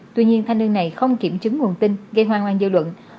tuy nhiên thanh niên này không kiểm chứng nguồn tin gây hoang mang dư luận